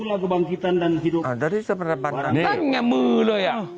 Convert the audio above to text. อ่าด้านนี้จะเป็นดิกระบันนั้นนี่มือเลยอ่ะ